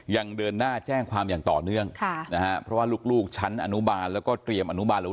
ยังเดินหน้าแจ้งความอย่างต่อเนื่องค่ะนะฮะเพราะว่าลูกชั้นอนุบาลแล้วก็เตรียมอนุบาลหรือ